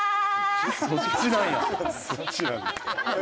そっちなんや。